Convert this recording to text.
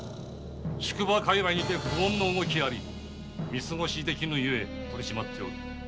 宿場界隈にて不穏の動きあり見過ごしできぬゆえ取り締まっておる。